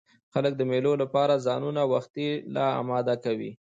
خلک د مېلو له پاره ځانونه وختي لا اماده کوي.